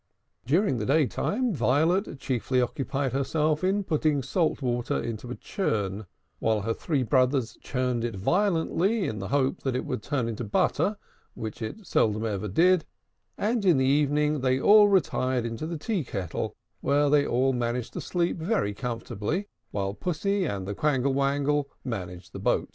During the daytime, Violet chiefly occupied herself in putting salt water into a churn; while her three brothers churned it violently, in the hope that it would turn into butter, which it seldom if ever did; and in the evening they all retired into the tea kettle, where they all managed to sleep very comfortably, while Pussy and the Quangle Wangle managed the boat.